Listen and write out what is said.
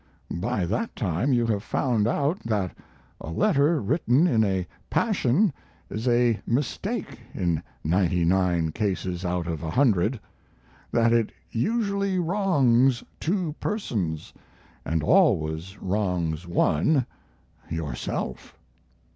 By that time you have found out that a letter written in a passion is a mistake in ninety nine cases out of a hundred; that it usually wrongs two persons, and always wrongs one yourself.